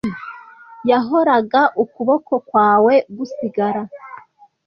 yahoraga ukuboko kwawe gusigara